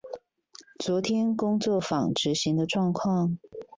昨天工作坊執行的狀況